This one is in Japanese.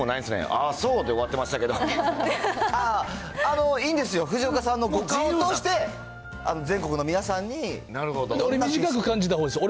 ああ、そうで終わってましたけどいいんですよ、藤岡さんの五感を通して、全国の皆さんに。短く感じたほうです。